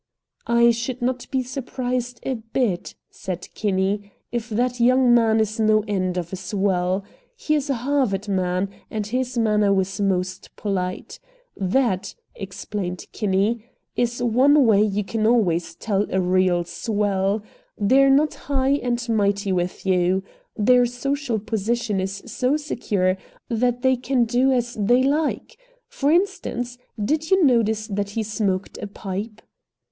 "I should not be surprised a bit," said Kinney, "if that young man is no end of a swell. He is a Harvard man, and his manner was most polite. That," explained Kinney, "is one way you can always tell a real swell. They're not high and mighty with you. Their social position is so secure that they can do as they like. For instance, did you notice that he smoked a pipe?"